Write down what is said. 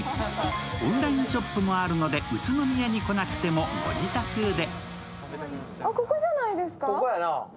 オンラインショップもあるので宇都宮に来なくてもご自宅で。